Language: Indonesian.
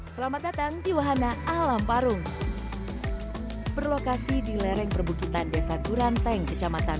selamat datang di wahana alam parung berlokasi di lereng perbukitan desa guranteng kecamatan